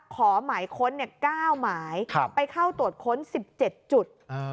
ขอหมายค้น๙หมายไปเข้าตรวจค้น๑๗จุด